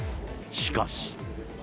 しかし。